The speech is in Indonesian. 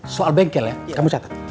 soal bengkel ya kamu catat